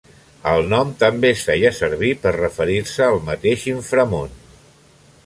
El nom també es feia servir per referir-se al mateix inframón.